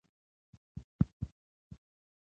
آ سېرېنا خارجۍ زموږ کره څه کول.